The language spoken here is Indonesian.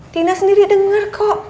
tina sendiri denger kok